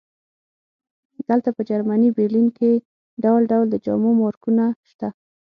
دلته په جرمني برلین کې ډول ډول د جامو مارکونه شته